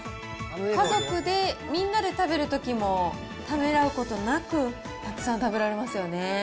家族でみんなで食べるときも、ためらうことなく、たくさん食べられますよね。